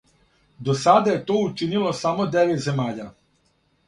До сада је то учинило само девет земаља.